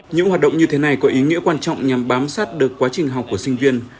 những hoạt động như thế này có ý nghĩa quan trọng nhằm bám sát được quá trình học của sinh viên